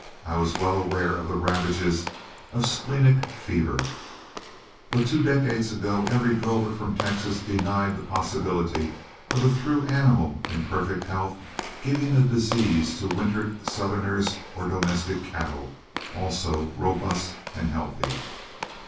I was well aware of the ravages of splenic fever; but two decades ago every drover from Texas denied the possibility of a through animal in perfect health giving a disease to wintered Southerners or domestic cattle, also robust and healthy.